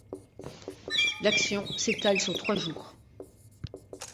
L'action s'étale sur trois jours.